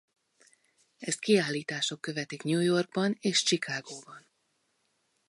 Ezt kiállítások követik New Yorkban és Chicagóban.